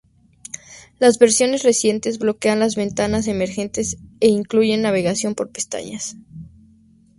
Las versiones recientes bloquean las ventanas emergentes e incluyen navegación por pestañas.